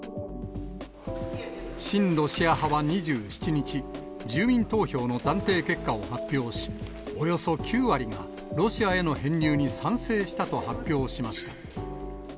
親ロシア派は２７日、住民投票の暫定結果を発表し、およそ９割がロシアへの編入に賛成したと発表しました。